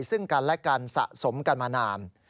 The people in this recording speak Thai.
ซึ่งกันและกันสะสมกันมานาน